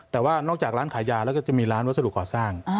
แต่ว่านอกจากร้านขายยาแล้วก็จะมีร้านวัสดุก่อสร้าง